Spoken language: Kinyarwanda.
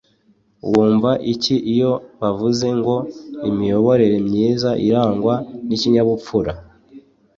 wumva iki iyo bavuze ngo imiyoborere myiza irangwa n’ikinyabupfura